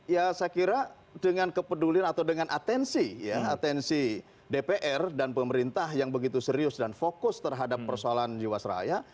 ya saya kira dengan kepedulian atau dengan atensi ya atensi dpr dan pemerintah yang begitu serius dan fokus terhadap persoalan jiwasraya